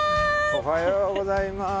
おはようございます。